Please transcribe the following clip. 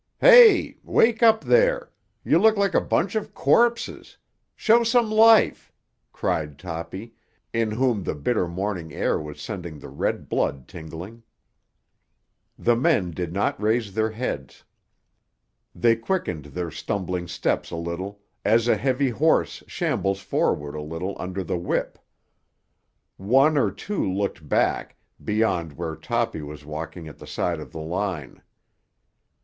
"Hey! Wake up there! You look like a bunch of corpses. Show some life!" cried Toppy, in whom the bitter morning air was sending the red blood tingling. The men did not raise their heads. They quickened their stumbling steps a little, as a heavy horse shambles forward a little under the whip. One or two looked back, beyond where Toppy was walking at the side of the line.